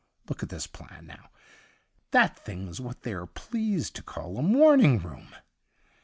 Look at this plan now. That thing's what they're pleased to call a morning room.